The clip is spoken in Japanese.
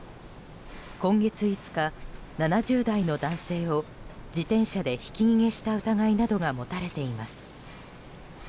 今月５日、７０代の男性を自転車でひき逃げした疑いなどが持たれています。